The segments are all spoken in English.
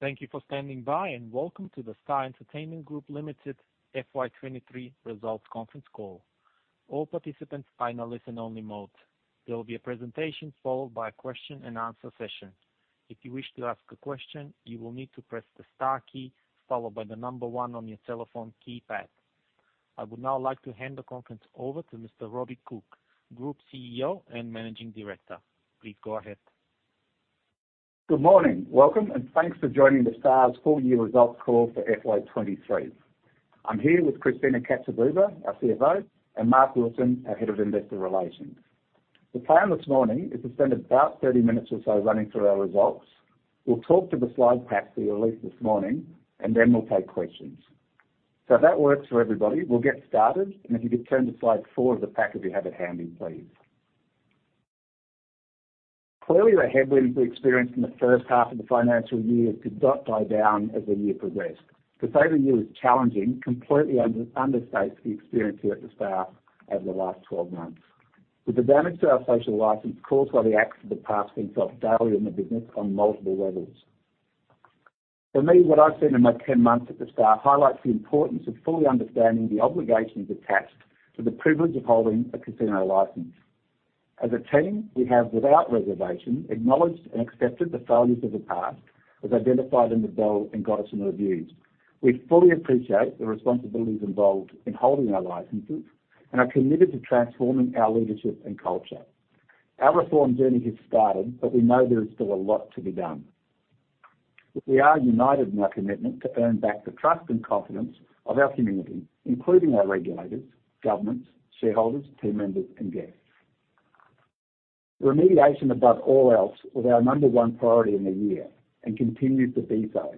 Thank you for standing by, and welcome to The Star Entertainment Group Limited FY23 results conference call. All participants are in a listen-only mode. There will be a presentation followed by a question-and-answer session. If you wish to ask a question, you will need to press the star key followed by the number one on your telephone keypad. I would now like to hand the conference over to Mr. Robbie Cooke, Group CEO and Managing Director. Please go ahead. Good morning. Welcome, and thanks for joining The Star's full-year results call for FY 2023. I'm here with Christina Katsibouba, our CFO, and Mark Wilson, our Head of Investor Relations. The plan this morning is to spend about 30 minutes or so running through our results. We'll talk to the slide pack we released this morning, and then we'll take questions. So if that works for everybody, we'll get started, and if you could turn to slide 4 of the pack, if you have it handy, please. Clearly, the headwinds we experienced in the first half of the financial year did not die down as the year progressed. To say the year was challenging completely understates the experience here at The Star over the last 12 months. With the damage to our social license caused by the acts of the past being felt daily in the business on multiple levels. For me, what I've seen in my 10 months at The Star highlights the importance of fully understanding the obligations attached to the privilege of holding a casino license. As a team, we have, without reservation, acknowledged and accepted the failures of the past, as identified in the Bell and Gotterson reviews. We fully appreciate the responsibilities involved in holding our licenses and are committed to transforming our leadership and culture. Our reform journey has started, but we know there is still a lot to be done. We are united in our commitment to earn back the trust and confidence of our community, including our regulators, governments, shareholders, team members, and guests. Remediation, above all else, was our number 1 priority in the year and continues to be so.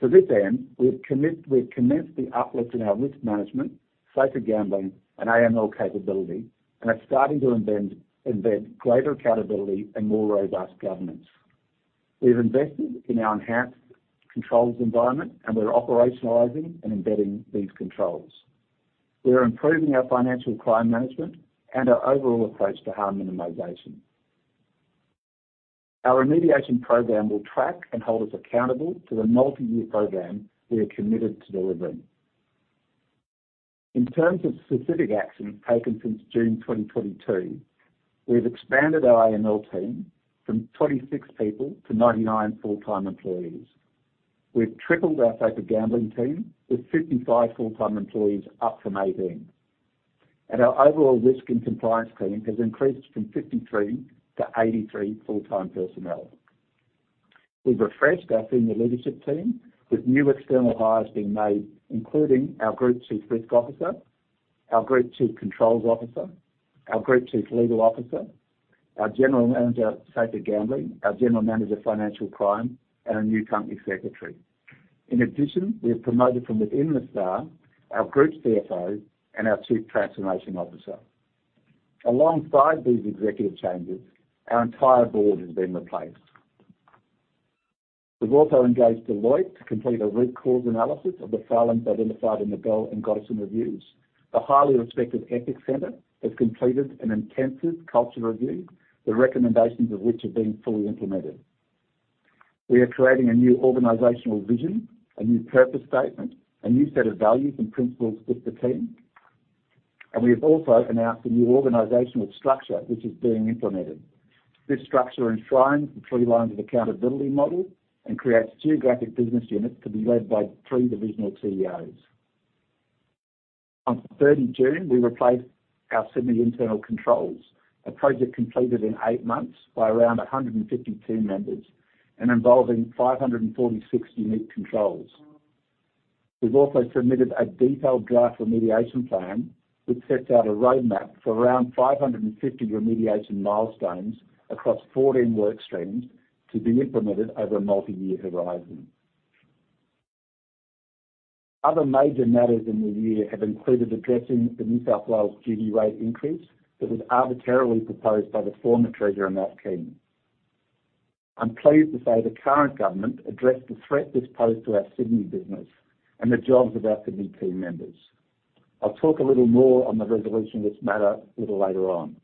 To this end, we've commenced the uplift in our risk management, safer gambling, and AML capability, and are starting to embed greater accountability and more robust governance. We've invested in our enhanced controls environment, and we're operationalizing and embedding these controls. We are improving our financial crime management and our overall approach to harm minimization. Our remediation program will track and hold us accountable to the multi-year program we are committed to delivering. In terms of specific actions taken since June 2022, we've expanded our AML team from 26 people to 99 full-time employees. We've tripled our safer gambling team with 55 full-time employees, up from 18, and our overall risk and compliance team has increased from 53 to 83 full-time personnel. We've refreshed our senior leadership team, with new external hires being made, including our Group Chief Risk Officer, our Group Chief Controls Officer, our Group Chief Legal Officer, our General Manager, Safer Gambling, our General Manager, Financial Crime, and a new company secretary. In addition, we have promoted from within The Star, our group CFO and our Chief Transformation Officer. Alongside these executive changes, our entire board has been replaced. We've also engaged Deloitte to complete a root cause analysis of the failings identified in the Bell and Gotterson reviews. The highly respected The Ethics Center has completed an intensive culture review, the recommendations of which are being fully implemented. We are creating a new organizational vision, a new purpose statement, a new set of values and principles for the team, and we have also announced a new organizational structure, which is being implemented. This structure enshrines the three lines of accountability model and creates geographic business units to be led by three divisional CEOs. On the third of June, we replaced our Sydney internal controls, a project completed in eight months by around 150 team members and involving 546 unique controls. We've also submitted a detailed draft remediation plan, which sets out a roadmap for around 550 remediation milestones across 14 work streams to be implemented over a multi-year horizon. Other major matters in the year have included addressing the New South Wales duty rate increase that was arbitrarily proposed by the former Treasurer, Matt Kean. I'm pleased to say the current government addressed the threat this posed to our Sydney business and the jobs of our Sydney team members. I'll talk a little more on the resolution of this matter a little later on.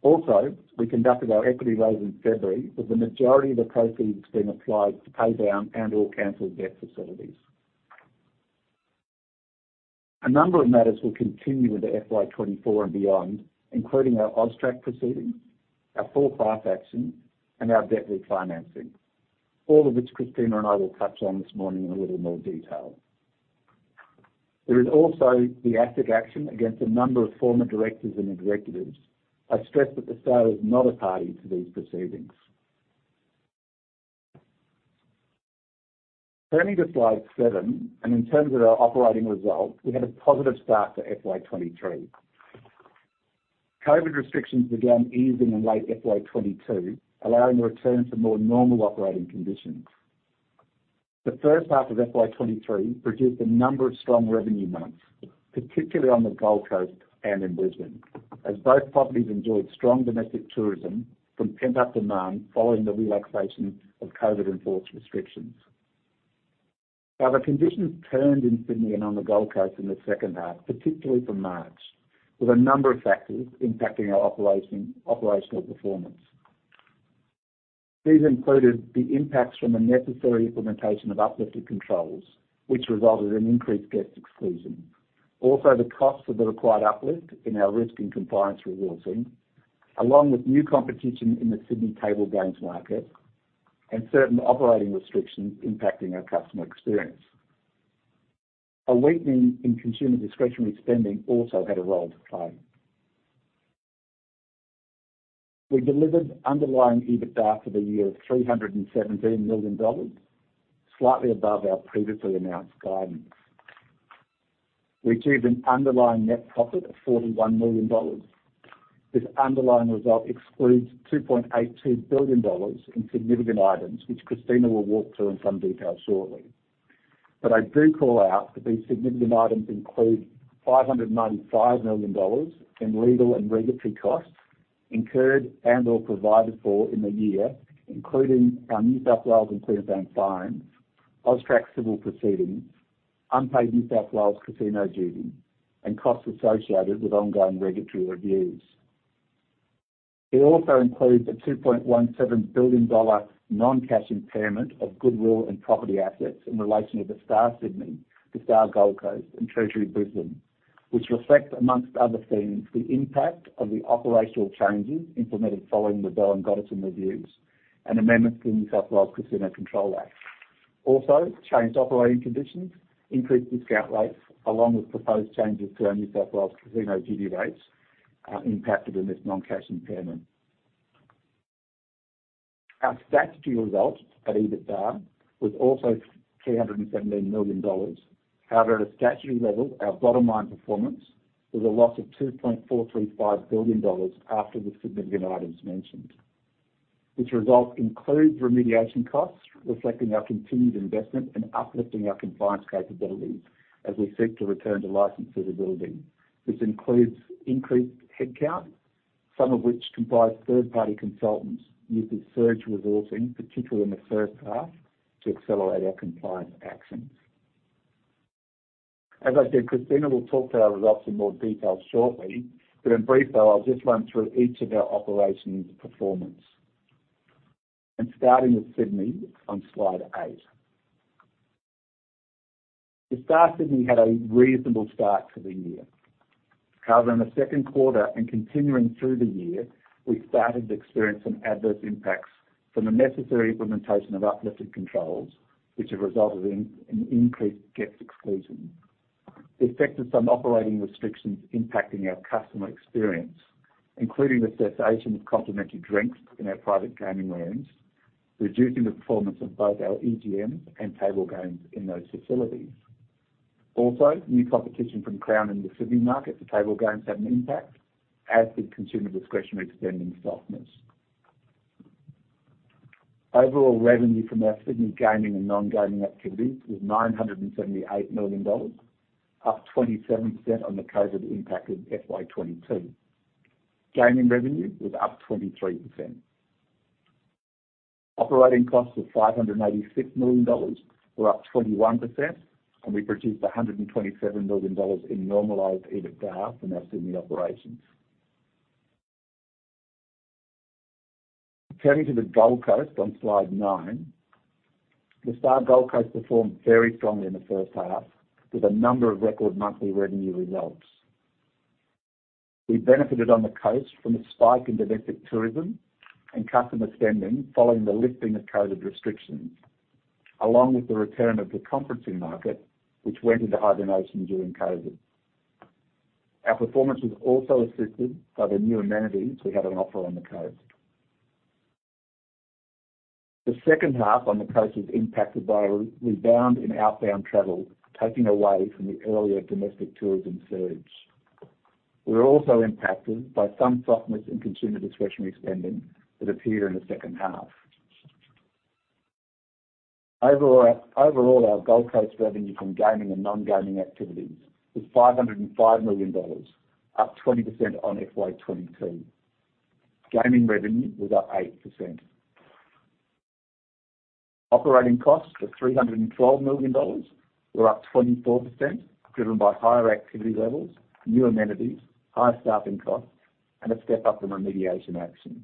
Also, we conducted our equity raise in February, with the majority of the proceeds being applied to pay down and/or cancel debt facilities. A number of matters will continue into FY 23 and beyond, including our AUSTRAC proceedings, our full class action, and our debt refinancing, all of which Christina and I will touch on this morning in a little more detail. There is also the asset action against a number of former directors and executives. I stress that The Star is not a party to these proceedings. Turning to slide 7, and in terms of our operating results, we had a positive start to FY 23. COVID restrictions began easing in late FY 22, allowing a return to more normal operating conditions. The first half of FY 2023 produced a number of strong revenue months, particularly on the Gold Coast and in Brisbane, as both properties enjoyed strong domestic tourism from pent-up demand following the relaxation of COVID-enforced restrictions. However, conditions turned in Sydney and on the Gold Coast in the second half, particularly from March, with a number of factors impacting our operational performance. These included the impacts from the necessary implementation of uplifted controls, which resulted in increased guest exclusion. Also, the costs of the required uplift in our risk and compliance resourcing, along with new competition in the Sydney table games market, and certain operating restrictions impacting our customer experience. A weakening in consumer discretionary spending also had a role to play. We delivered underlying EBITDA for the year of 317 million dollars, slightly above our previously announced guidance. We achieved an underlying net profit of 41 million dollars. This underlying result excludes 2.82 billion dollars in significant items, which Christina will walk through in some detail shortly. I do call out that these significant items include 595 million dollars in legal and regulatory costs incurred and/or provided for in the year, including our New South Wales and Queensland fines, AUSTRAC civil proceedings, unpaid New South Wales casino duty, and costs associated with ongoing regulatory reviews. It also includes a 2.17 billion dollar non-cash impairment of goodwill and property assets in relation to The Star Sydney, The Star Gold Coast, and Treasury Brisbane, which reflect, among other things, the impact of the operational changes implemented following the Bell and Gotterson reviews, and amendments to the New South Wales Casino Control Act. Also, changed operating conditions, increased discount rates, along with proposed changes to our New South Wales casino duty rates, impacted in this non-cash impairment. Our statutory result at EBITDA was also 217 million dollars. However, at a statutory level, our bottom line performance was a loss of 2.435 billion dollars after the significant items mentioned. This result includes remediation costs, reflecting our continued investment in uplifting our compliance capabilities as we seek to return to license suitability. This includes increased headcount, some of which comprise third-party consultants used in surge resourcing, particularly in the first half, to accelerate our compliance actions. As I said, Christina will talk to our results in more detail shortly, but in brief, though, I'll just run through each of our operations' performance. And starting with Sydney on slide eight. The Star Sydney had a reasonable start to the year. However, in the second quarter and continuing through the year, we started to experience some adverse impacts from the necessary implementation of uplifted controls, which have resulted in increased guest exclusion. It affected some operating restrictions impacting our customer experience, including the cessation of complimentary drinks in our private gaming rooms, reducing the performance of both our EGMs and table games in those facilities. Also, new competition from Crown in the Sydney market for table games had an impact, as did consumer discretionary spending softness. Overall revenue from our Sydney gaming and non-gaming activities was 978 million dollars, up 27% on the COVID-impacted FY 2022. Gaming revenue was up 23%. Operating costs of 586 million dollars were up 21%, and we produced 127 million dollars in normalized EBITDA from our Sydney operations. Turning to the Gold Coast on slide nine. The Star Gold Coast performed very strongly in the first half, with a number of record monthly revenue results. We benefited on the Coast from a spike in domestic tourism and customer spending following the lifting of COVID restrictions, along with the return of the conferencing market, which went into hibernation during COVID. Our performance was also assisted by the new amenities we have on offer on the Coast. The second half on the Coast was impacted by a rebound in outbound travel, taking away from the earlier domestic tourism surge. We were also impacted by some softness in consumer discretionary spending that appeared in the second half. Overall, overall, our Gold Coast revenue from gaming and non-gaming activities was 505 million dollars, up 20% on FY 2022. Gaming revenue was up 8%. Operating costs of 312 million dollars were up 24%, driven by higher activity levels, new amenities, higher staffing costs, and a step up in remediation actions.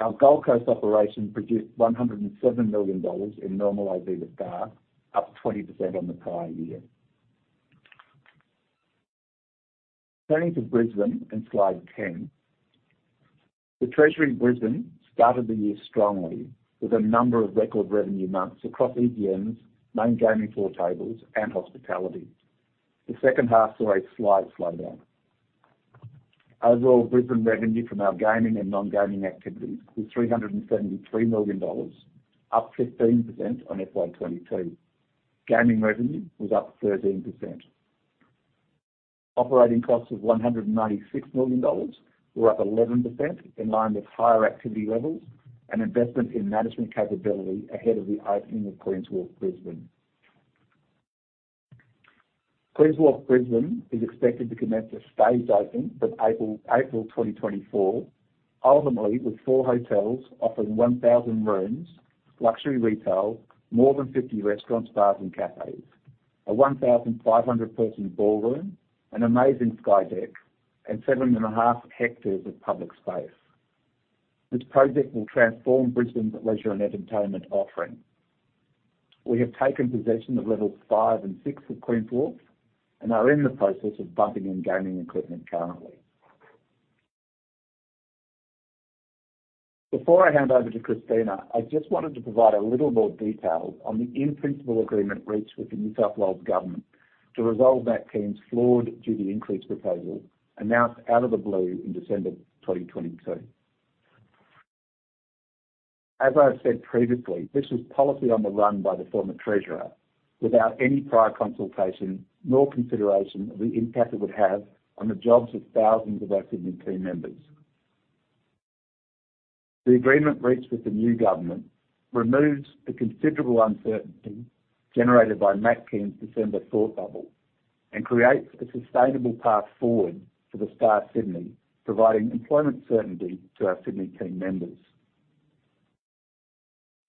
Our Gold Coast operation produced 107 million dollars in normalized EBITDA, up 20% on the prior year. Turning to Brisbane on slide 10. The Treasury Brisbane started the year strongly, with a number of record revenue months across EGMs, main gaming floor tables, and hospitality. The second half saw a slight slowdown. Overall, Brisbane revenue from our gaming and non-gaming activities was 373 million dollars, up 15% on FY 2022. Gaming revenue was up 13%. Operating costs of 196 million dollars were up 11%, in line with higher activity levels and investment inmanagement capability ahead of the opening of Queen's Wharf Brisbane. Queen's Wharf Brisbane is expected to commence a staged open from April 2024, ultimately with four hotels offering 1,000 rooms, luxury retail, more than 50 restaurants, bars, and cafes, a 1,500-person ballroom, an amazing sky deck, and 7.5 hectares of public space. This project will transform Brisbane's leisure and entertainment offering. We have taken possession of levels 5 and 6 of Queen's Wharf, and are in the process of bumping in gaming equipment currently. Before I hand over to Christina, I just wanted to provide a little more detail on the in-principle agreement reached with the New South Wales government to resolve Matt Kean's flawed duty increase proposal, announced out of the blue in December 2022. As I said previously, this was policy on the run by the former treasurer, without any prior consultation nor consideration of the impact it would have on the jobs of thousands of our Sydney team members. The agreement reached with the new government removes the considerable uncertainty generated by Matt Kean's December thought bubble, and creates a sustainable path forward for The Star Sydney, providing employment certainty to our Sydney team members.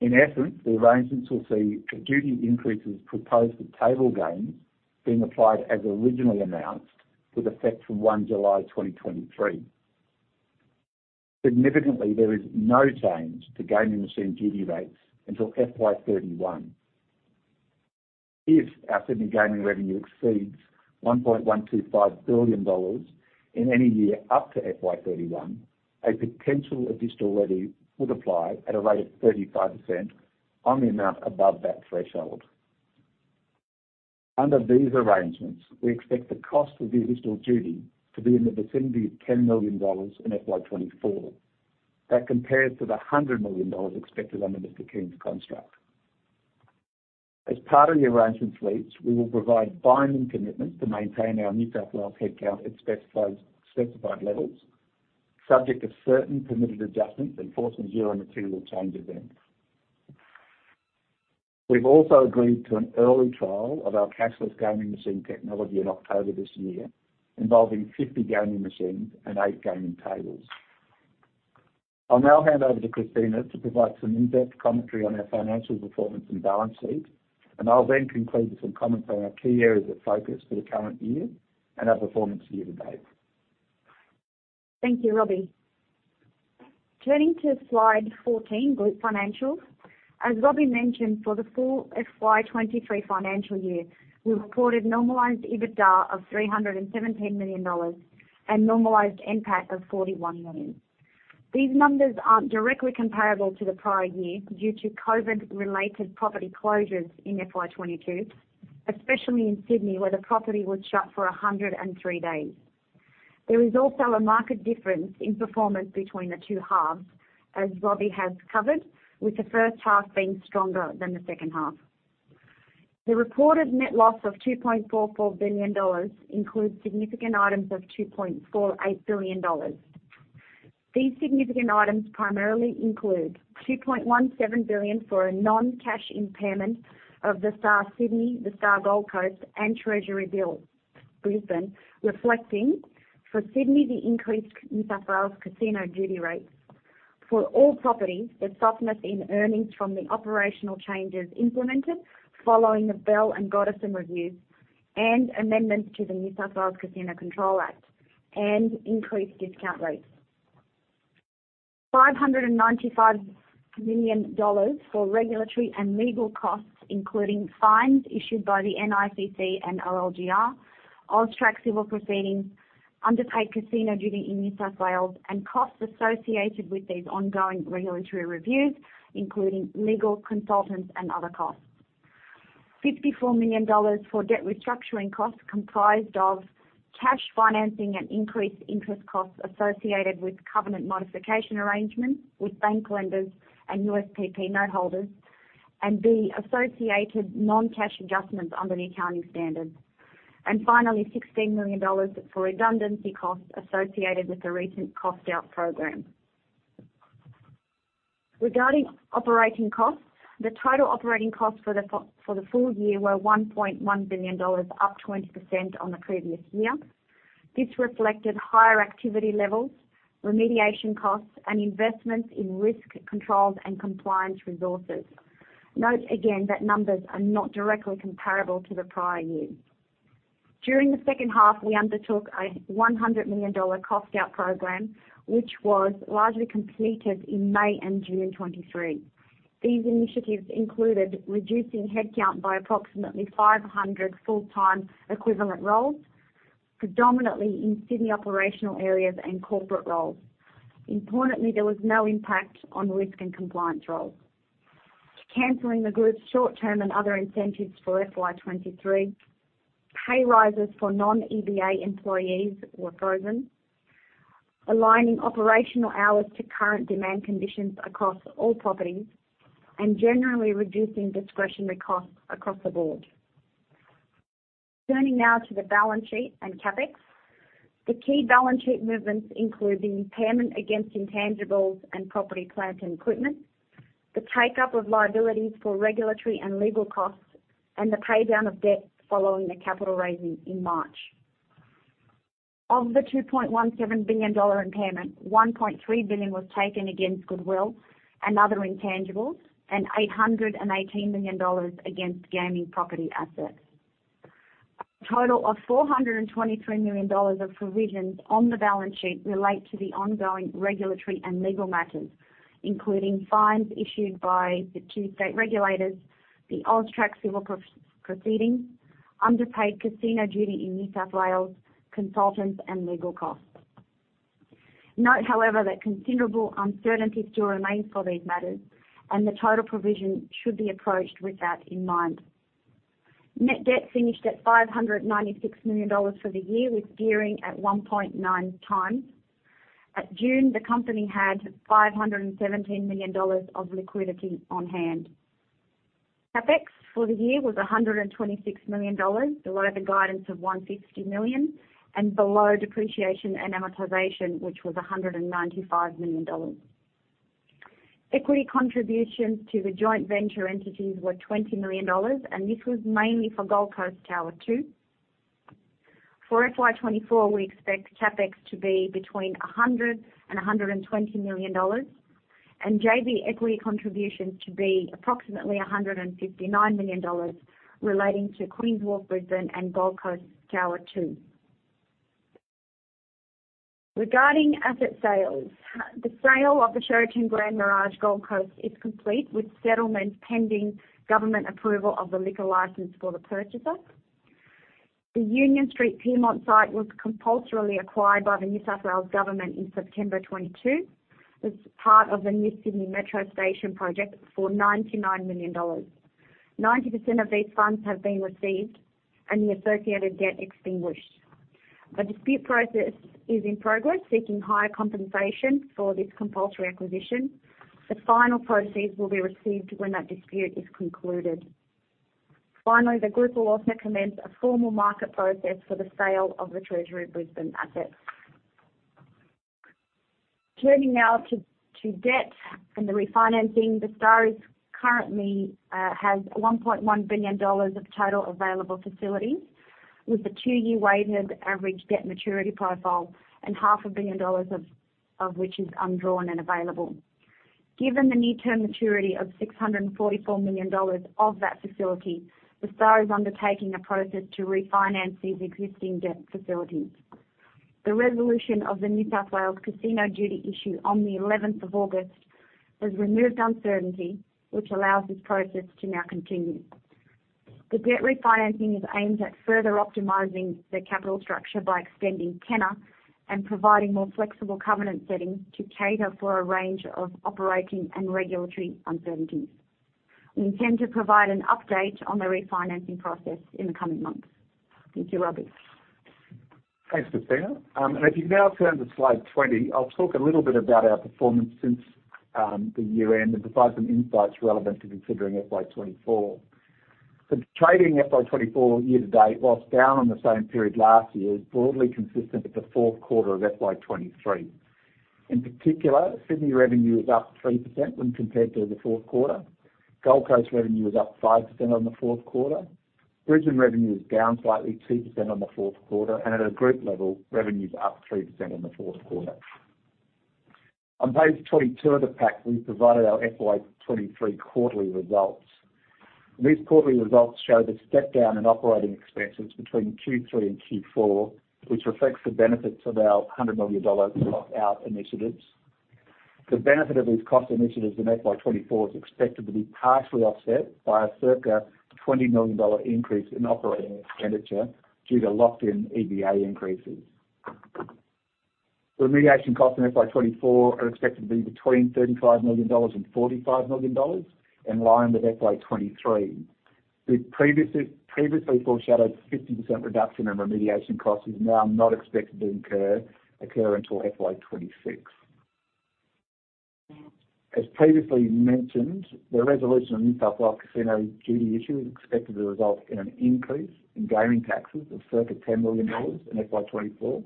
In essence, the arrangements will see the duty increases proposed for table games being applied as originally announced, with effect from 1 July 2023. Significantly, there is no change to gaming machine duty rates until FY 2031. If our Sydney gaming revenue exceeds 1.125 billion dollars in any year up to FY 2031, a potential additional levy would apply at a rate of 35% on the amount above that threshold. Under these arrangements, we expect the cost of the additional duty to be in the vicinity of 10 million dollars in FY 2024. That compares to the 100 million dollars expected under Mr. Kean's construct. As part of the arrangements reached, we will provide binding commitments to maintain our New South Wales headcount at specified levels, subject to certain permitted adjustments and force majeure material change events. We've also agreed to an early trial of our cashless gaming machine technology in October this year, involving 50 gaming machines and 8 gaming tables. I'll now hand over to Christina to provide some in-depth commentary on our financial performance and balance sheet, and I'll then conclude with some comments on our key areas of focus for the current year and our performance year to date. Thank you, Robbie. Turning to slide 14, group financials. As Robbie mentioned, for the full FY 2023 financial year, we reported normalized EBITDA of 317 million dollars and normalized NPAT of 41 million. These numbers aren't directly comparable to the prior year due to COVID-related property closures in FY 2022, especially in Sydney, where the property was shut for 103 days. There is also a marked difference in performance between the two halves, as Robbie has covered, with the first half being stronger than the second half. The reported net loss of 2.44 billion dollars includes significant items of 2.48 billion dollars. These significant items primarily include 2.17 billion for a non-cash impairment of The Star Sydney, The Star Gold Coast and Treasury Brisbane, reflecting for Sydney, the increased New South Wales casino duty rates. For all properties, the softness in earnings from the operational changes implemented following the Bell and Gotterson reviews and amendments to the New South Wales Casino Control Act and increased discount rates. 595 million dollars for regulatory and legal costs, including fines issued by the NICC and OLGR, AUSTRAC civil proceedings, underpaid casino duty in New South Wales, and costs associated with these ongoing regulatory reviews, including legal, consultants, and other costs. 54 million dollars for debt restructuring costs, comprised of cash financing and increased interest costs associated with covenant modification arrangements with bank lenders and USPP noteholders, and the associated non-cash adjustments under the accounting standards. And finally, 16 million dollars for redundancy costs associated with the recent cost-out program. Regarding operating costs, the total operating costs for the full year were 1.1 billion dollars, up 20% on the previous year. This reflected higher activity levels, remediation costs, and investments in risk controls and compliance resources. Note again that numbers are not directly comparable to the prior year. During the second half, we undertook a 100 million dollar cost-out program, which was largely completed in May and June 2023. These initiatives included reducing headcount by approximately 500 full-time equivalent roles, predominantly in Sydney operational areas and corporate roles. Importantly, there was no impact on risk and compliance roles. Canceling the group's short-term and other incentives for FY 2023. Pay rises for non-EBA employees were frozen. Aligning operational hours to current demand conditions across all properties, and generally reducing discretionary costs across the board. Turning now to the balance sheet and CapEx. The key balance sheet movements include the impairment against intangibles and property, plant, and equipment, the take-up of liabilities for regulatory and legal costs, and the pay down of debt following the capital raising in March. Of the 2.17 billion dollar impairment, 1.3 billion was taken against goodwill and other intangibles, and 818 million dollars against gaming property assets. A total of 423 million dollars of provisions on the balance sheet relate to the ongoing regulatory and legal matters, including fines issued by the two state regulators, the AUSTRAC civil proceeding, underpaid casino duty in New South Wales, consultants, and legal costs. Note, however, that considerable uncertainty still remains for these matters, and the total provision should be approached with that in mind. Net debt finished at 596 million dollars for the year, with gearing at 1.9 times. At June, the company had 517 million dollars of liquidity on hand. CapEx for the year was 126 million dollars, below the guidance of 160 million, and below depreciation and amortization, which was 195 million dollars. Equity contributions to the joint venture entities were 20 million dollars, and this was mainly for Gold Coast Tower Two. For FY 2024, we expect CapEx to be between 100 million and 120 million dollars, and JV equity contributions to be approximately 159 million dollars relating to Queen's Wharf Brisbane and Gold Coast Tower Two. Regarding asset sales, the sale of the Sheraton Grand Mirage, Gold Coast is complete, with settlement pending government approval of the liquor license for the purchaser. The Union Street, Pyrmont site was compulsorily acquired by the New South Wales government in September 2022, as part of the new Sydney Metro Station project for 99 million dollars. 90% of these funds have been received and the associated debt extinguished. A dispute process is in progress, seeking higher compensation for this compulsory acquisition. The final proceeds will be received when that dispute is concluded. Finally, the group will also commence a formal market process for the sale of the Treasury Brisbane asset. Turning now to debt and the refinancing. The Star currently has 1.1 billion dollars of total available facilities, with a 2-year weighted average debt maturity profile and 500 million dollars of which is undrawn and available. Given the near-term maturity of 644 million dollars of that facility, The Star is undertaking a process to refinance these existing debt facilities. The resolution of the New South Wales Casino Duty issue on the eleventh of August has removed uncertainty, which allows this process to now continue. The debt refinancing is aimed at further optimizing the capital structure by extending tenor and providing more flexible covenant settings to cater for a range of operating and regulatory uncertainties. We intend to provide an update on the refinancing process in the coming months. Thank you, Robert. Thanks, Christina. And if you now turn to slide 20, I'll talk a little bit about our performance since the year-end and provide some insights relevant to considering FY 2024. The trading FY 2024 year to date, while down on the same period last year, is broadly consistent with the fourth quarter of FY 2023. In particular, Sydney revenue is up 3% when compared to the fourth quarter. Gold Coast revenue is up 5% on the fourth quarter. Brisbane revenue is down slightly 2% on the fourth quarter, and at a group level, revenue is up 3% on the fourth quarter. On page 22 of the pack, we've provided our FY 2023 quarterly results. These quarterly results show the step down in operating expenses between Q3 and Q4, which reflects the benefits of our 100 million dollars cost out initiatives. The benefit of these cost initiatives in FY 2024 is expected to be partially offset by a circa 20 million dollar increase in operating expenditure due to locked-in EBA increases. The remediation costs in FY 2024 are expected to be between AUD 35 million and AUD 45 million, in line with FY 2023. The previously foreshadowed 50% reduction in remediation costs is now not expected to occur until FY 2026. As previously mentioned, the resolution of the New South Wales Casino Duty issue is expected to result in an increase in gaming taxes of circa 10 million dollars in FY 2024.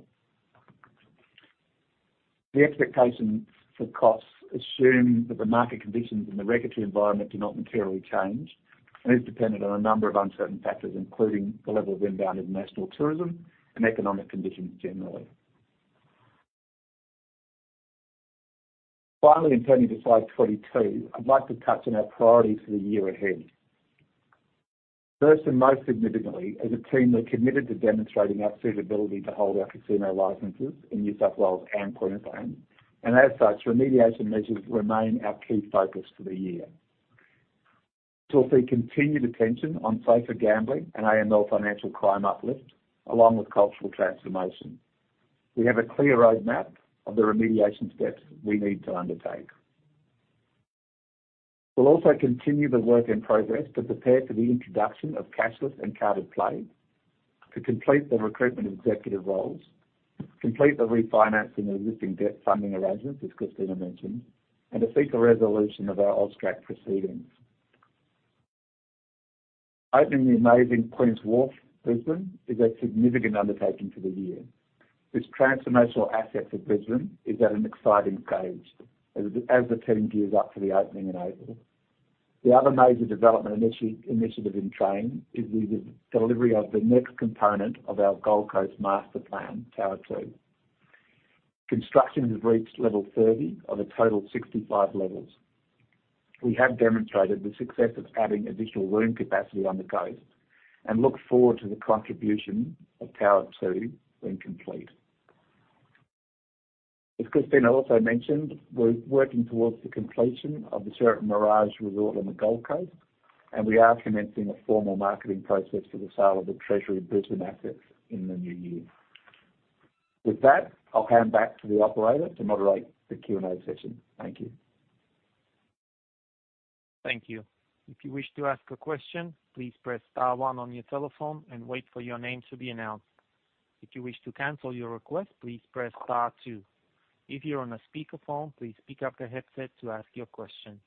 The expectation for costs assume that the market conditions and the regulatory environment do not materially change, and is dependent on a number of uncertain factors, including the level of inbound international tourism and economic conditions generally. Finally, in turning to slide 22, I'd like to touch on our priorities for the year ahead. First, and most significantly, as a team, we're committed to demonstrating our suitability to hold our casino licenses in New South Wales and Queensland, and as such, remediation measures remain our key focus for the year. This will see continued attention on safer gambling and AML financial crime uplift, along with cultural transformation. We have a clear roadmap of the remediation steps we need to undertake. We'll also continue the work in progress to prepare for the introduction of cashless and carded play, to complete the recruitment of executive roles, complete the refinancing of existing debt funding arrangements, as Christina mentioned, and to seek a resolution of our AUSTRAC proceedings. Opening the amazing Queen's Wharf Brisbane is a significant undertaking for the year. This transformational asset for Brisbane is at an exciting stage as the team gears up for the opening in April. The other major development initiative in train is the delivery of the next component of our Gold Coast master plan, Tower Two. Construction has reached level 30 of a total 65 levels. We have demonstrated the success of adding additional room capacity on the Coast and look forward to the contribution of Tower Two when complete. As Christina also mentioned, we're working towards the completion of the Sheraton Grand Mirage on the Gold Coast, and we are commencing a formal marketing process for the sale of the Treasury Brisbane assets in the new year. With that, I'll hand back to the operator to moderate the Q&A session. Thank you. Thank you. If you wish to ask a question, please press star one on your telephone and wait for your name to be announced. If you wish to cancel your request, please press star two. If you're on a speakerphone, please pick up the headset to ask your question.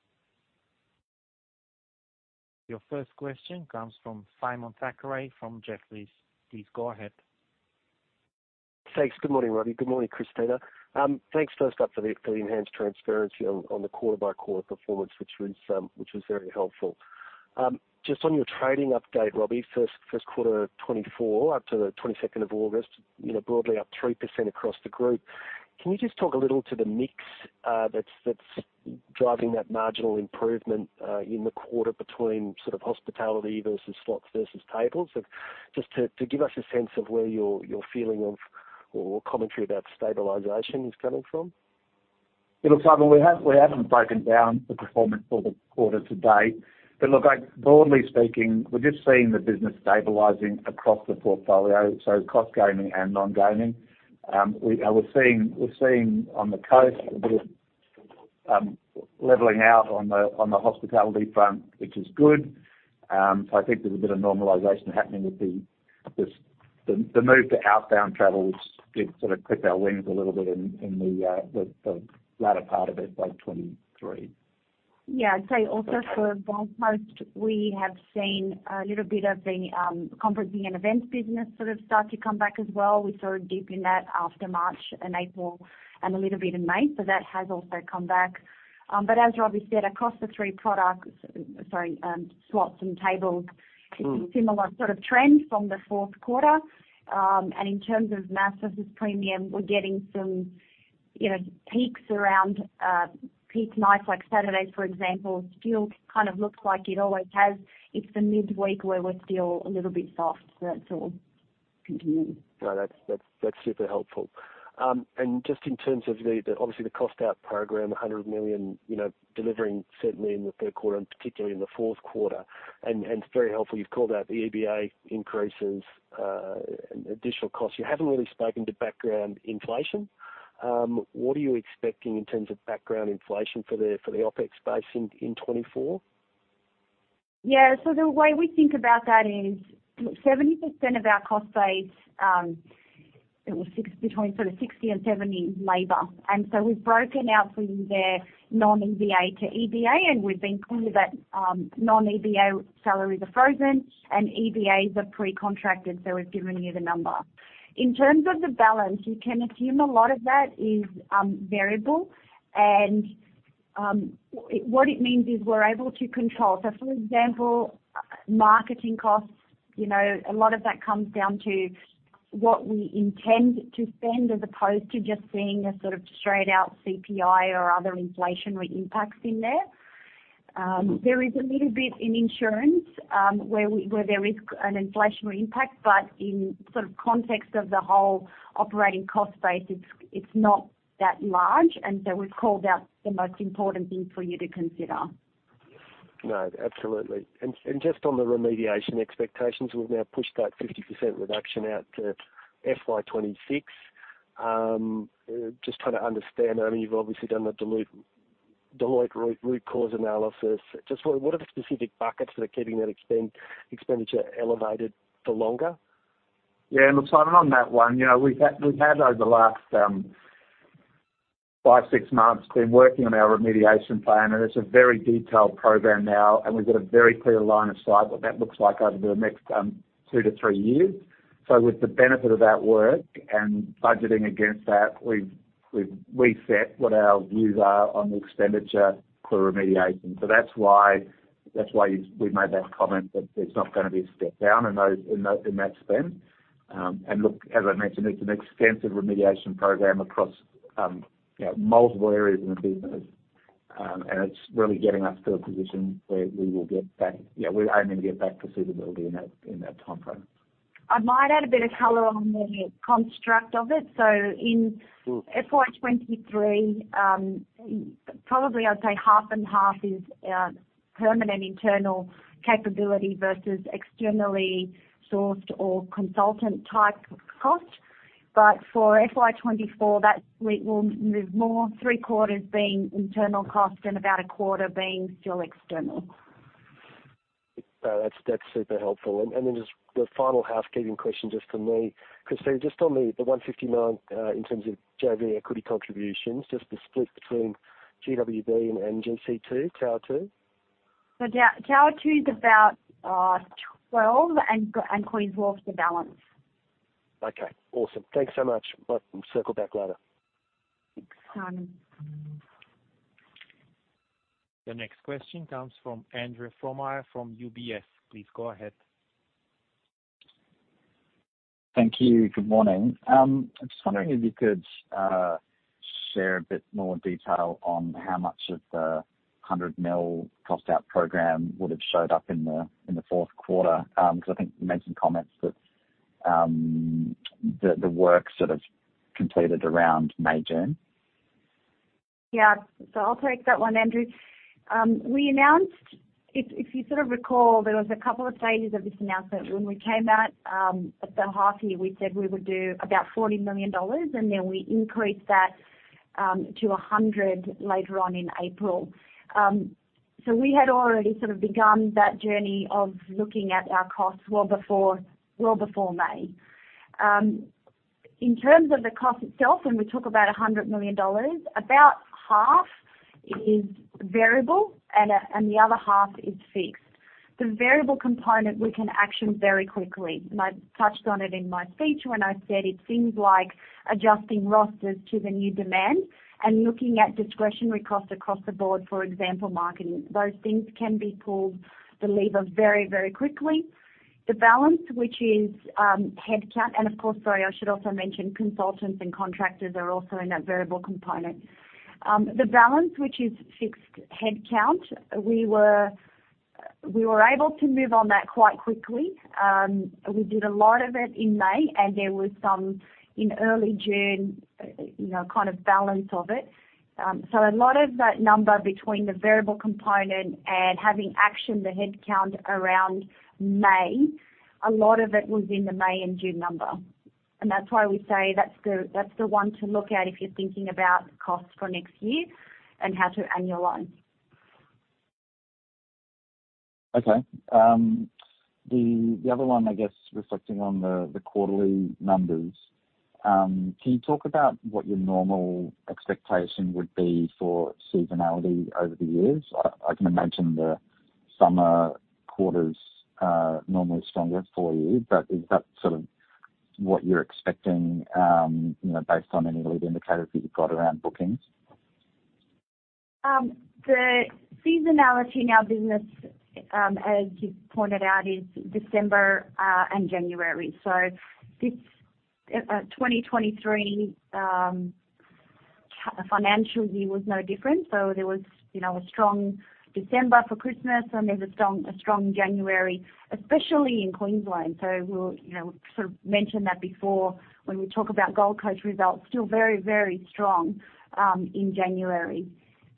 Your first question comes from Simon Thackray from Jefferies. Please go ahead. Thanks. Good morning, Robbie. Good morning, Christina. Thanks, first up, for the enhanced transparency on the quarter-by-quarter performance, which was very helpful. Just on your trading update, Robbie, first quarter of 2024, up to the 22nd of August, you know, broadly up 3% across the group. Can you just talk a little to the mix that's driving that marginal improvement in the quarter between sort of hospitality versus slots versus tables? Just to give us a sense of where your feeling of or commentary about stabilization is coming from. It looks like we haven't broken down the performance for the quarter to date. But look, like, broadly speaking, we're just seeing the business stabilizing across the portfolio, so core gaming and non-gaming. And we're seeing on the Coast a bit of leveling out on the hospitality front, which is good. So I think there's a bit of normalization happening with just the move to outbound travel, which did sort of clip our wings a little bit in the latter part of it, like 2023. Yeah, I'd say also for Gold Coast, we have seen a little bit of the, conferencing and events business sort of start to come back as well. We saw a dip in that after March and April and a little bit in May, so that has also come back. But as Robbie said, across the three products, sorry, slots and tables- Mm. Similar sort of trend from the fourth quarter. And in terms of mass versus premium, we're getting some, you know, peaks around peak nights, like Saturdays, for example, still kind of looks like it always has. It's the midweek where we're still a little bit soft. So that's all continuing. No, that's super helpful. And just in terms of the obviously the cost out program, 100 million, you know, delivering certainly in the third quarter and particularly in the fourth quarter. And it's very helpful you've called out the EBA increases and additional costs. You haven't really spoken to background inflation. What are you expecting in terms of background inflation for the OpEx base in 2024? Yeah. So the way we think about that is 70% of our cost base, it was six- between sort of 60%-70% labor. And so we've broken out from there, non-EBA to EBA, and we've been clear that, non-EBA salaries are frozen and EBAs are pre-contracted, so we've given you the number. In terms of the balance, you can assume a lot of that is, variable. And, what it means is we're able to control. So for example, marketing costs, you know, a lot of that comes down to what we intend to spend, as opposed to just seeing a sort of straight out CPI or other inflationary impacts in there. There is a little bit in insurance, where there is an inflationary impact, but in sort of context of the whole operating cost base, it's not that large, and so we've called out the most important thing for you to consider. No, absolutely. And just on the remediation expectations, we've now pushed that 50% reduction out to FY 2026. Just trying to understand, I mean, you've obviously done the Deloitte root cause analysis. Just what are the specific buckets that are keeping that expenditure elevated for longer? Yeah, and look, Simon, on that one, you know, we've had, we've had over the last 5-6 months been working on our remediation plan, and it's a very detailed program now, and we've got a very clear line of sight what that looks like over the next 2-3 years. So with the benefit of that work and budgeting against that, we've, we've reset what our views are on the expenditure for remediation. So that's why, that's why we've made that comment, that there's not going to be a step down in those, in that, in that spend. And look, as I mentioned, it's an extensive remediation program across, you know, multiple areas in the business. And it's really getting us to a position where we will get back... Yeah, we're aiming to get back to suitability in that, in that time frame. I might add a bit of color on the construct of it. So in- Sure. FY 2023, probably I'd say half and half is permanent internal capability versus externally sourced or consultant-type cost. But for FY 2024, that's more three-quarters being internal cost and about a quarter being still external. No, that's, that's super helpful. And then just the final housekeeping question, just for me. Christina, just on the 159, in terms of JV equity contributions, just the split between QWB and DGC, Tower Two? Tower Two is about 12, and Queens Wharf's the balance.... Okay, awesome. Thanks so much. Well, we'll circle back later. Thanks, Simon. The next question comes from Andre Fromme from UBS. Please go ahead. Thank you. Good morning. I'm just wondering if you could share a bit more detail on how much of the 100 million cost out program would have showed up in the, in the fourth quarter. Because I think you mentioned comments that, the, the work sort of completed around May, June. Yeah. So I'll take that one, Andrew. We announced, if you sort of recall, there was a couple of stages of this announcement. When we came out, at the half year, we said we would do about 40 million dollars, and then we increased that to 100 million later on in April. So we had already sort of begun that journey of looking at our costs well before, well before May. In terms of the cost itself, when we talk about 100 million dollars, about half is variable and the other half is fixed. The variable component, we can action very quickly, and I touched on it in my speech when I said it seems like adjusting rosters to the new demand and looking at discretionary costs across the board, for example, marketing. Those things can be pull the lever very, very quickly. The balance, which is headcount, and of course, sorry, I should also mention consultants and contractors are also in that variable component. The balance, which is fixed headcount, we were able to move on that quite quickly. We did a lot of it in May, and there was some in early June, you know, kind of balance of it. So a lot of that number between the variable component and having actioned the headcount around May, a lot of it was in the May and June number, and that's why we say that's the one to look at if you're thinking about costs for next year and how to annualize. Okay. The other one, I guess, reflecting on the quarterly numbers, can you talk about what your normal expectation would be for seasonality over the years? I can imagine the summer quarters are normally stronger for you, but is that sort of what you're expecting, you know, based on any lead indicators that you've got around bookings? The seasonality in our business, as you pointed out, is December and January. So this 2023 financial year was no different. So there was, you know, a strong December for Christmas, and there's a strong January, especially in Queensland. So we'll, you know, sort of mention that before when we talk about Gold Coast results, still very, very strong in January.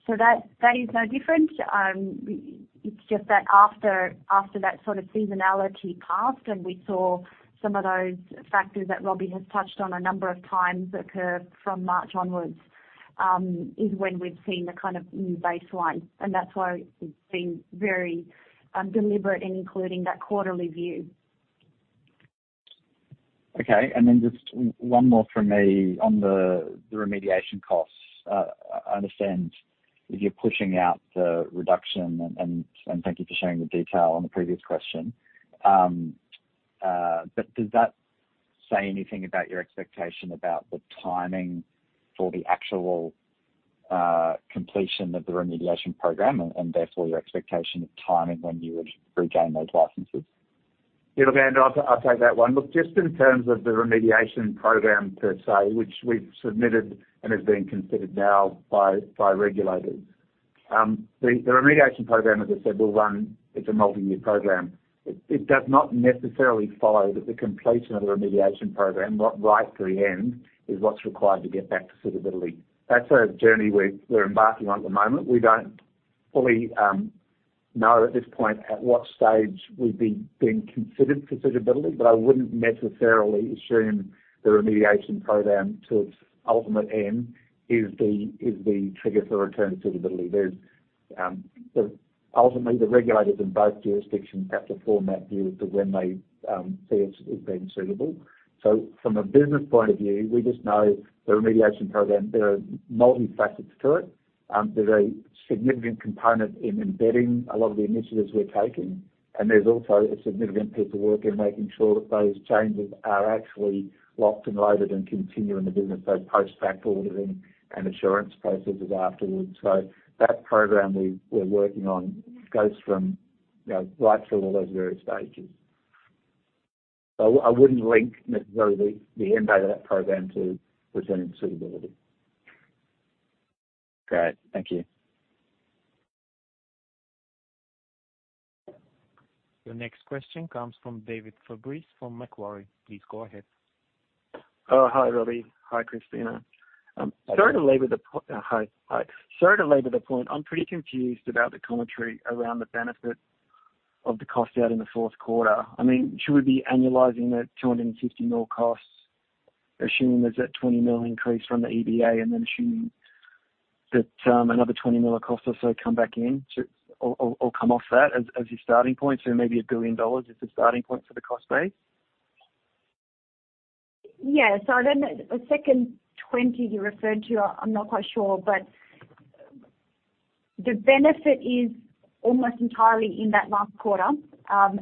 So that is no different. It's just that after that sort of seasonality passed, and we saw some of those factors that Robbie has touched on a number of times occur from March onwards, is when we've seen the kind of new baseline, and that's why it's been very deliberate in including that quarterly view. Okay. And then just one more from me on the remediation costs. I understand that you're pushing out the reduction, and thank you for sharing the detail on the previous question. But does that say anything about your expectation about the timing for the actual completion of the remediation program and therefore your expectation of timing when you would regain those licenses? Yeah, look, Andre, I'll, I'll take that one. Look, just in terms of the remediation program per se, which we've submitted and is being considered now by regulators. The remediation program, as I said, will run. It's a multi-year program. It does not necessarily follow that the completion of the remediation program, not right to the end, is what's required to get back to suitability. That's a journey we're embarking on at the moment. We don't fully know at this point at what stage we'd be being considered for suitability, but I wouldn't necessarily assume the remediation program to its ultimate end is the trigger for return suitability. There's so ultimately, the regulators in both jurisdictions have to form that view to when they see us as being suitable. So from a business point of view, we just know the remediation program. There are multiple facets to it. There's a significant component in embedding a lot of the initiatives we're taking, and there's also a significant piece of work in making sure that those changes are actually locked and loaded and continue in the business, those post-facto ordering and assurance processes afterwards. So that program we're working on goes from, you know, right through all those various stages. So I wouldn't link necessarily the end date of that program to returning suitability. Great. Thank you. Your next question comes from David Fabris, from Macquarie. Please go ahead. Hi, Robbie. Hi, Christina. Sorry to labor the point. I'm pretty confused about the commentary around the benefit of the cost out in the fourth quarter. I mean, should we be annualizing the 250 million costs, assuming there's that 20 million increase from the EVA, and then assuming that another 20 million of costs or so come back in to or come off that as your starting point? So maybe 1 billion dollars is the starting point for the cost base. Yeah. So I don't know, the second 20 you referred to. I'm not quite sure, but the benefit is almost entirely in that last quarter.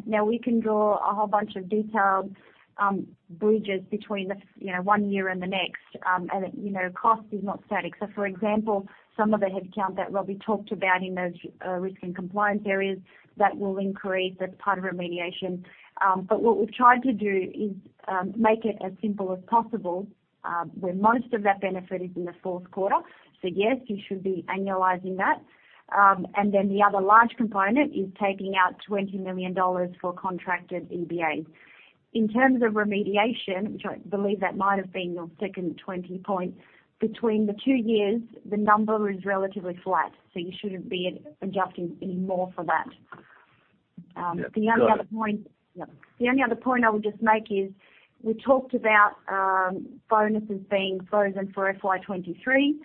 Now we can draw a whole bunch of detailed bridges between the, you know, one year and the next. And, you know, cost is not static. So for example, some of the headcount that Robbie talked about in those risk and compliance areas, that will increase. That's part of remediation. But what we've tried to do is make it as simple as possible, where most of that benefit is in the fourth quarter. So yes, you should be annualizing that. And then the other large component is taking out 20 million dollars for contracted EBAs. In terms of remediation, which I believe that might have been your second 20 point, between the two years, the number is relatively flat, so you shouldn't be adjusting any more for that. Yeah, got it. The only other point. Yep. The only other point I would just make is, we talked about bonuses being frozen for FY 2023.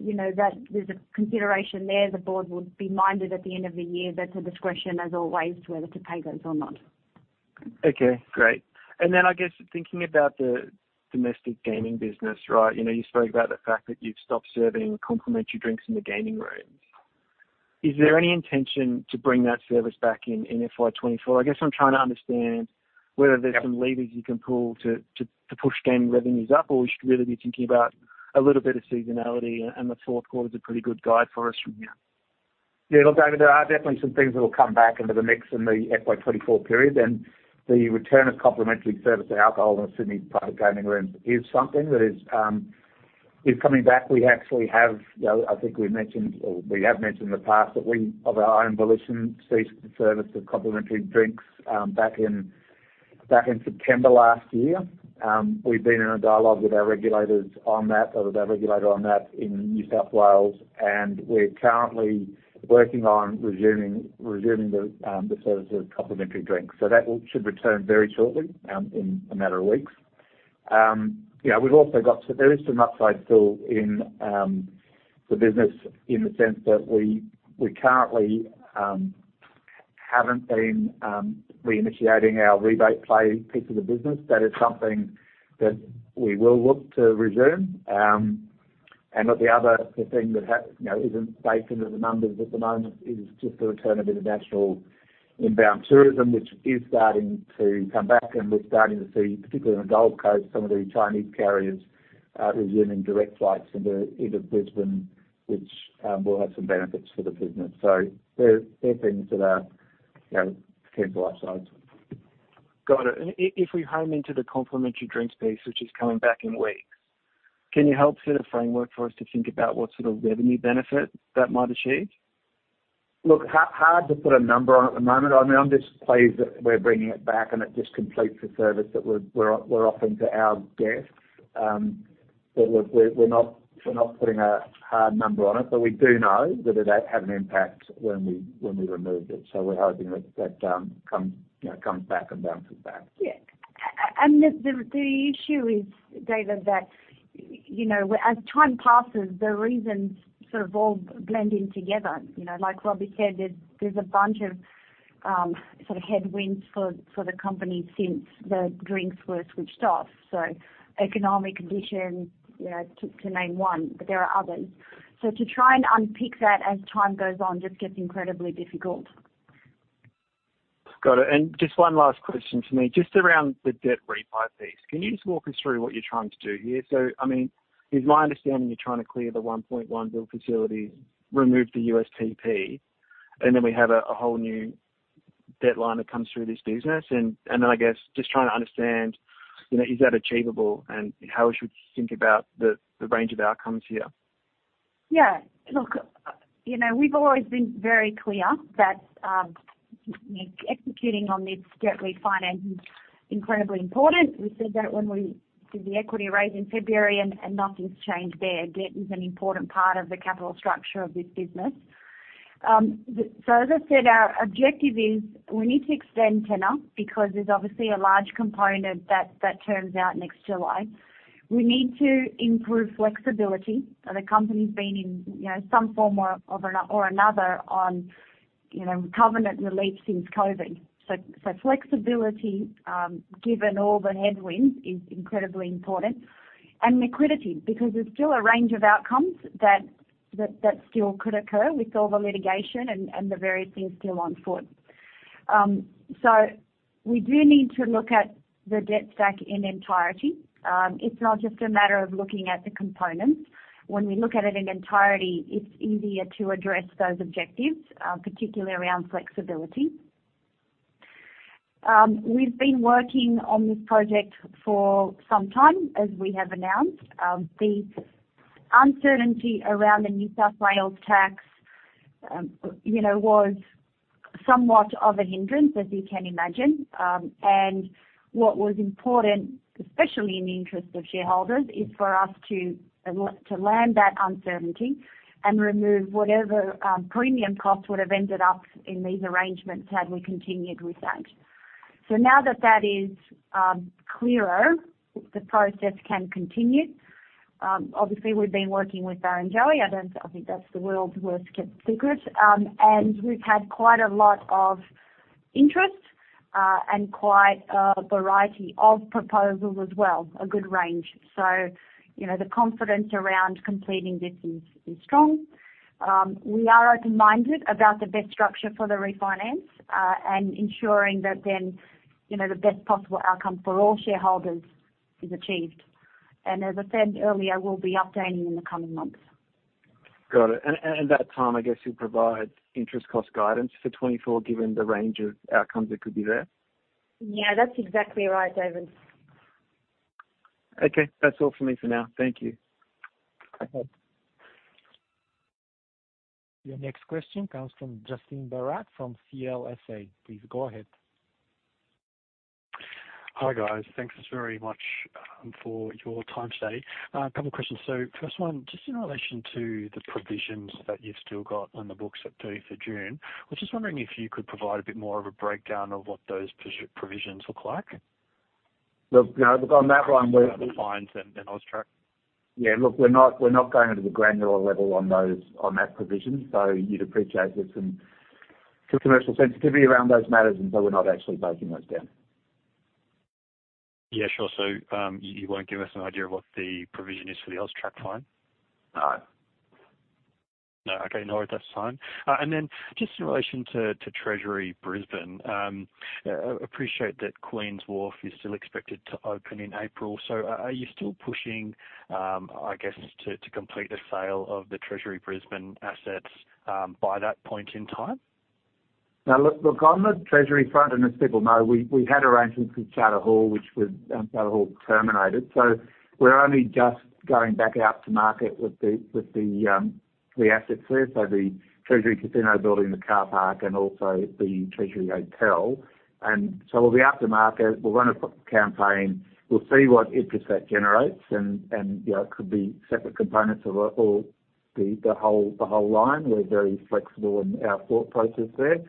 You know, that there's a consideration there. The board would be minded at the end of the year, that's a discretion, as always, whether to pay those or not. Okay, great. And then I guess thinking about the domestic gaming business, right? You know, you spoke about the fact that you've stopped serving complimentary drinks in the gaming rooms. Is there any intention to bring that service back in in FY 24? I guess I'm trying to understand whether there's some levers you can pull to push gaming revenues up, or we should really be thinking about a little bit of seasonality, and the fourth quarter is a pretty good guide for us from here. Yeah, look, David, there are definitely some things that will come back into the mix in the FY 2024 period, and the return of complimentary service to alcohol in Sydney private gaming rooms is something that is coming back. We actually have, you know, I think we've mentioned, or we have mentioned in the past, that we, of our own volition, ceased the service of complimentary drinks back in September last year. We've been in a dialogue with our regulators on that, or with our regulator on that in New South Wales, and we're currently working on resuming the service of complimentary drinks. So that will should return very shortly, in a matter of weeks. Yeah, we've also got some... There is some upside still in the business in the sense that we, we currently haven't been reinitiating our rebate play piece of the business. That is something that we will look to resume. And but the other thing that you know isn't baked into the numbers at the moment is just the return of international inbound tourism, which is starting to come back, and we're starting to see, particularly in the Gold Coast, some of the Chinese carriers resuming direct flights into, into Brisbane, which will have some benefits for the business. So there, there are things that are, you know, potential upsides. Got it. And if we hone in on the complimentary drinks piece, which is coming back in weeks, can you help set a framework for us to think about what sort of revenue benefit that might achieve? Look, hard to put a number on at the moment. I mean, I'm just pleased that we're bringing it back, and it just completes the service that we're offering to our guests. But look, we're not putting a hard number on it, but we do know that it had an impact when we removed it, so we're hoping that that comes, you know, comes back and bounces back. Yeah. And the issue is, David, that, you know, as time passes, the reasons sort of all blend in together. You know, like Robbie said, there's a bunch of sort of headwinds for the company since the drinks were switched off. So economic conditions, you know, to name one, but there are others. So to try and unpick that as time goes on just gets incredibly difficult. Got it. And just one last question for me, just around the debt refi piece. Can you just walk us through what you're trying to do here? So, I mean, is my understanding, you're trying to clear the 1.1 billion facility, remove the USPP, and then we have a whole new debt line that comes through this business. And then I guess just trying to understand, you know, is that achievable and how we should think about the range of outcomes here? Yeah, look, you know, we've always been very clear that, you know, executing on this debt refi financing is incredibly important. We said that when we did the equity raise in February, and nothing's changed there. Debt is an important part of the capital structure of this business. So as I said, our objective is we need to extend tenor, because there's obviously a large component that turns out next July. We need to improve flexibility. The company's been in, you know, some form or another on, you know, covenant relief since COVID. So flexibility, given all the headwinds, is incredibly important. And liquidity, because there's still a range of outcomes that still could occur with all the litigation and the various things still on foot. So we do need to look at the debt stack in entirety. It's not just a matter of looking at the components. When we look at it in entirety, it's easier to address those objectives, particularly around flexibility. We've been working on this project for some time, as we have announced. The uncertainty around the New South Wales tax, you know, was somewhat of a hindrance, as you can imagine. And what was important, especially in the interest of shareholders, is for us to learn that uncertainty and remove whatever premium cost would have ended up in these arrangements had we continued with that. So now that that is clearer, the process can continue. Obviously, we've been working with Barrenjoey. I don't, I think that's the world's worst kept secret. And we've had quite a lot of-... interest, and quite a variety of proposals as well, a good range. So, you know, the confidence around completing this is strong. We are open-minded about the best structure for the refinance, and ensuring that then, you know, the best possible outcome for all shareholders is achieved. And as I said earlier, we'll be updating in the coming months. Got it. And at that time, I guess you'll provide interest cost guidance for 2024, given the range of outcomes that could be there? Yeah, that's exactly right, David. Okay, that's all for me for now. Thank you. Your next question comes from Justin Barratt, from CLSA. Please go ahead. Hi, guys. Thanks very much for your time today. A couple questions. So first one, just in relation to the provisions that you've still got on the books at 30 June. I was just wondering if you could provide a bit more of a breakdown of what those provisions look like? Well, you know, on that one, we- Fines and AUSTRAC. Yeah, look, we're not, we're not going into the granular level on those, on that provision. So you'd appreciate there's some commercial sensitivity around those matters, and so we're not actually breaking those down. Yeah, sure. So, you won't give us an idea of what the provision is for the AUSTRAC fine? No. No. Okay, no worries. That's fine. And then just in relation to Treasury Brisbane, appreciate that Queens Wharf is still expected to open in April. So are you still pushing, I guess, to complete a sale of the Treasury Brisbane assets, by that point in time? Now, look, look, on the Treasury front, and as people know, we had arrangements with Charter Hall, which was Charter Hall terminated. So we're only just going back out to market with the assets there. So the Treasury casino building, the car park, and also the Treasury hotel. And so we'll be out to market. We'll run a campaign, we'll see what interest that generates, and, you know, it could be separate components or the whole, the whole line. We're very flexible in our thought process there.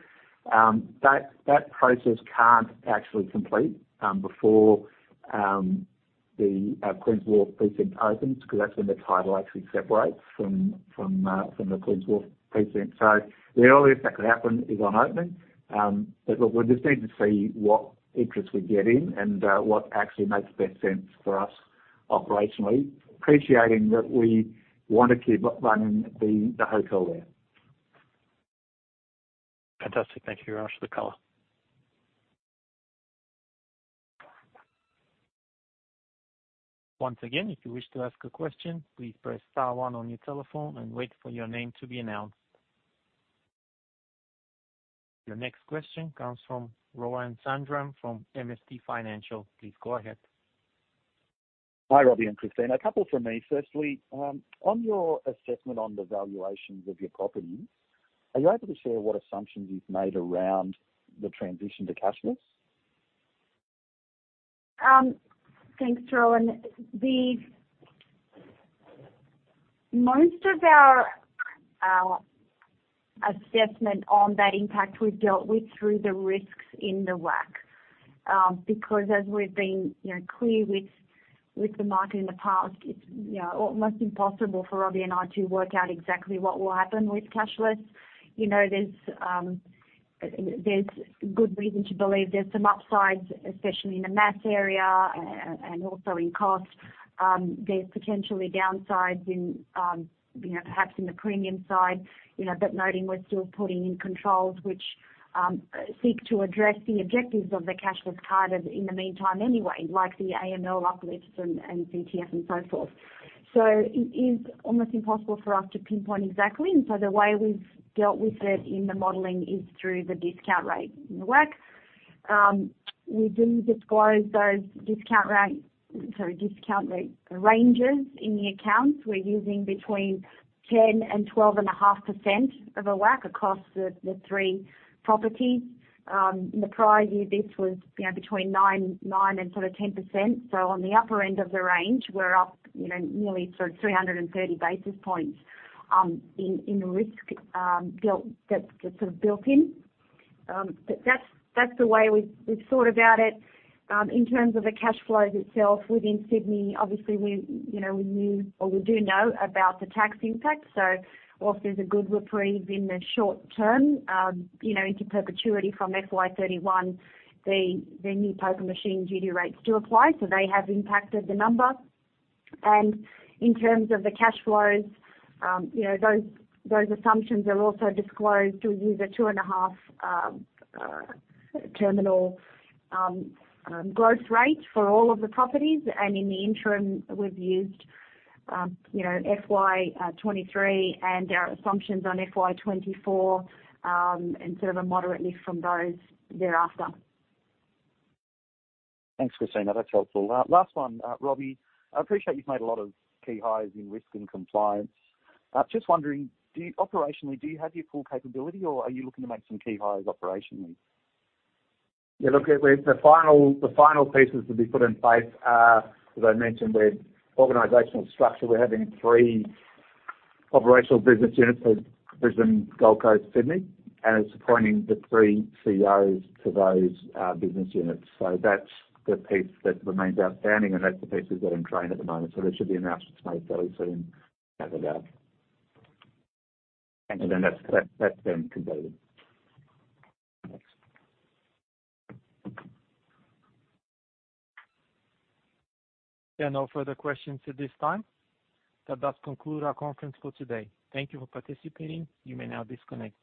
That process can't actually complete before the Queens Wharf precinct opens, because that's when the title actually separates from the Queens Wharf precinct. So the earliest that could happen is on opening. But look, we'll just need to see what interest we're getting and what actually makes best sense for us operationally, appreciating that we want to keep running the hotel there. Fantastic. Thank you very much for the color. Once again, if you wish to ask a question, please press star one on your telephone and wait for your name to be announced. Your next question comes from Rohan Sundram, from MST Financial. Please go ahead. Hi, Robbie and Christina. A couple from me. Firstly, on your assessment on the valuations of your properties, are you able to share what assumptions you've made around the transition to cashless? Thanks, Rohan. Most of our assessment on that impact, we've dealt with through the risks in the WACC. Because as we've been, you know, clear with the market in the past, it's, you know, almost impossible for Robbie and I to work out exactly what will happen with cashless. You know, there's good reason to believe there's some upsides, especially in the mass area and also in cost. There's potentially downsides in, you know, perhaps in the premium side, you know, but noting we're still putting in controls which seek to address the objectives of the cashless card in the meantime anyway, like the AML uplifts and CTS and so forth. So it is almost impossible for us to pinpoint exactly, and so the way we've dealt with it in the modeling is through the discount rate in the WACC. We do disclose those discount rates, sorry, discount rate ranges in the accounts. We're using between 10 and 12.5% of a WACC across the three properties. In the prior year, this was, you know, between nine, nine and sort of 10%. So on the upper end of the range, we're up, you know, nearly sort of 330 basis points in risk built, that's sort of built in. But that's the way we've thought about it. In terms of the cash flows itself within Sydney, obviously we, you know, we knew or we do know about the tax impact, so while there's a good reprieve in the short term, you know, into perpetuity from FY 31, the, the new poker machine duty rates do apply, so they have impacted the number. In terms of the cash flows, you know, those, those assumptions are also disclosed. We use a 2.5 terminal growth rate for all of the properties. In the interim, we've used, FY 2023, and our assumptions on FY 2024, and sort of a moderate lift from those thereafter. Thanks, Christina. That's helpful. Last one, Robbie, I appreciate you've made a lot of key hires in risk and compliance. Just wondering, do you operationally, do you have your full capability, or are you looking to make some key hires operationally? Yeah, look, the final pieces to be put in place are, as I mentioned, our organizational structure. We're having three operational business units of Brisbane, Gold Coast, Sydney, and it's appointing the three CEOs to those business units. So that's the piece that remains outstanding, and that's the piece that we're in train at the moment. So there should be announcements made very soon as well. And then that's completed. There are no further questions at this time. That does conclude our conference for today. Thank you for participating. You may now disconnect.